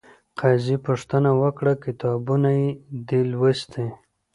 قاضي پوښتنه وکړه، کتابونه یې دې لوستي؟